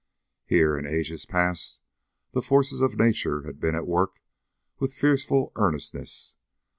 Here, in ages past, the forces of Nature had been at work with fearful earnestness.